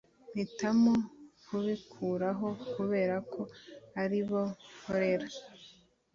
mpitamo kubikuraho kubera ko aribo nkorera